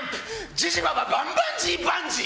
ジジバババンバンジーバンジー！